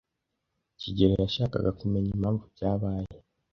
kigeli yashakaga kumenya impamvu byabaye.